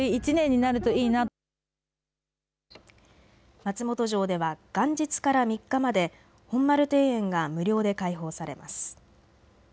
松本城では元日から３日まで本丸庭園が無料で開放されます。